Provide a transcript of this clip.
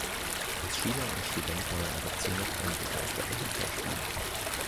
Als Schüler und Student war er dazu noch ein begeisterter Handballspieler.